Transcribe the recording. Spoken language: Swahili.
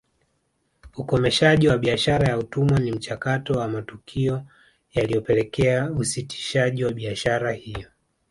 Ukomeshaji wa biashara ya utumwa ni mchakato wa matukio yaliyopelekea usitishaji wa biashara hiyo